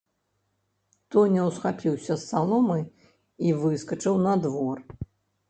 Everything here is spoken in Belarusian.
Тоня ўсхапіўся з саломы і выскачыў на двор.